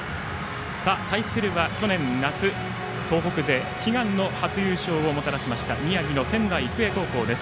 対するは去年夏に東北勢悲願の初優勝をもたらしました宮城の仙台育英高校です。